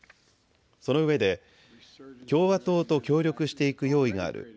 そのうえで共和党と協力していく用意がある。